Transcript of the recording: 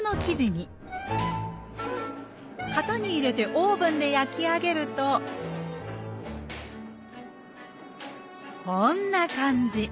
型に入れてオーブンで焼き上げるとこんな感じ。